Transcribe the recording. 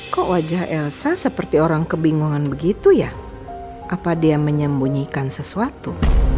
kok wajah elsa seperti orang kebingungan begitu ya apa dia menyembunyikan sesuatu